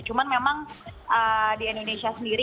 cuman memang di indonesia sendiri